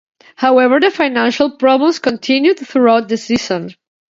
However the financial problems continued throughout the season.